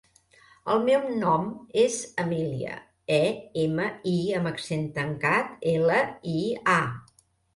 El meu nom és Emília: e, ema, i amb accent tancat, ela, i, a.